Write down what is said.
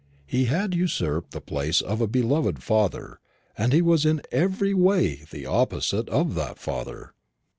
He had usurped the place of a beloved father, and he was in every way the opposite of that father.